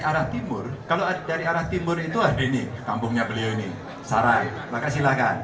arti mur kalau ada dari arah timur intuan ini kampungnya beliau ini sarai maka silahkan